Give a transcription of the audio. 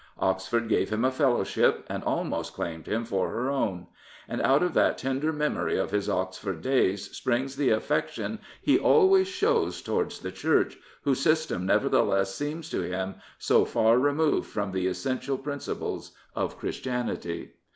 Oxford gave him a Fellowship, and almost claimed him for her own. And out of that tender memory of his Oxford days springs the affection he always shows towards the Church whose system nevertheless seems to him so far removed from the essential principles of Christianity.